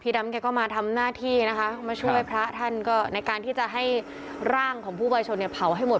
ดำแกก็มาทำหน้าที่นะคะมาช่วยพระท่านก็ในการที่จะให้ร่างของผู้บายชนเนี่ยเผาให้หมด